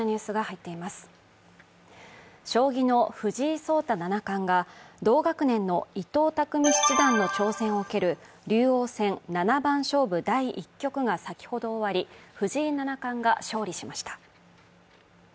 将棋の藤井聡太七冠は、同学年の伊藤匠七段の挑戦を受ける竜王戦七番勝負第１局が先ほど終わり、藤井七冠が勝利しました。